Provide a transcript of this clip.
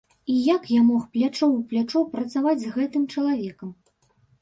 І як я мог плячо ў плячо працаваць з гэтым чалавекам?